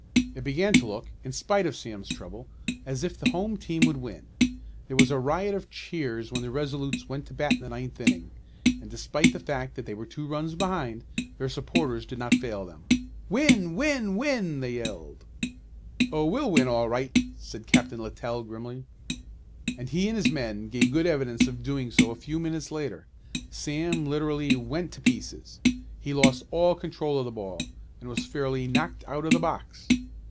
It began to look, in spite of Sam's trouble, as if the home team would win. There was a riot of cheers when the Resolutes went to bat in the ninth inning, and despite the fact that they were two runs behind, their supporters did not fail them. "Win! Win! Win!" they yelled. "Oh, we'll win all right," said Captain Littell grimly. And he and his men gave good evidence of doing so a few minutes later. Sam literally "went to pieces." He lost all control of the ball, and was fairly "knocked out of the box."